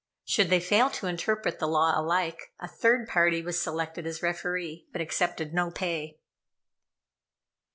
Should they fail to interpret the law alike, a third party was selected as referee, but accepted no pay.